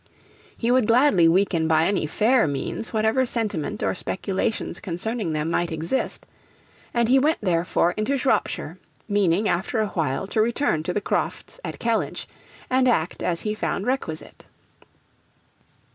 He would gladly weaken by any fair means whatever sentiment or speculations concerning them might exist; and he went therefore into Shropshire, meaning after a while to return to the Crofts at Kellynch, and act as he found requisite.